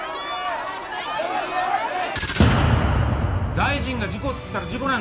大臣が事故つったら事故なんだよ。